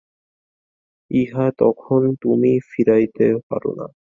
ইহা এখন তুমিও ফিরাইতে পার না।